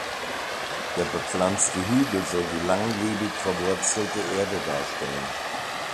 Der bepflanzte Hügel soll die langlebig verwurzelte Erde darstellen.